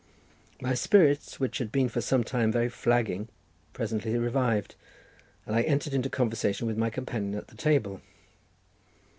My spirits, which had been for some time very flagging, presently revived, and I entered into conversation with my companion at the table.